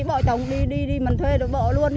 bỏ chồng đi đi mần thuê rồi bỏ luôn